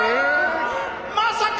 まさか！